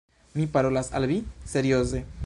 Mi parolas al vi serioze.